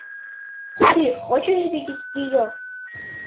Ты хочешь видеть ее?